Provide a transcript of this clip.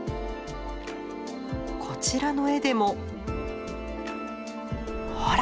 こちらの絵でもほら